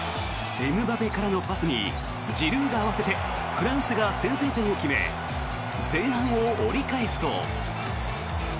エムバペからのパスにジルーが合わせてフランスが先制点を決め前半を折り返すと。